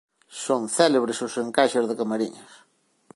Son célebres os encaixes de Camariñas.